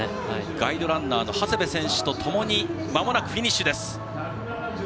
ガイドランナーの長谷部選手とともにまもなくフィニッシュです。